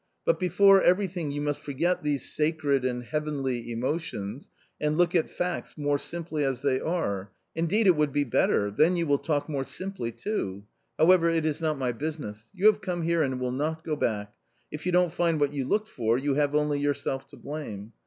... But before everything you must forget these sacred and heavenly emotions and look at facts more simply as they are, indeed it would be better, then you will talk more simply too. However, it is not my business. You have come here and will not go back. If you don't find what you looked for, you have only yourself to blame.